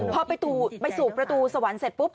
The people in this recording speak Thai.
พอไปสู่ประตูสวรรค์เสร็จปุ๊บ